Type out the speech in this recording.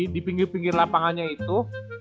di pinggir pinggir lapangannya itu